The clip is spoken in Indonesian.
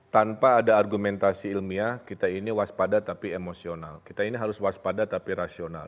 tanpa ada argumentasi ilmiah kita ini waspada tapi emosional kita ini harus waspada tapi rasional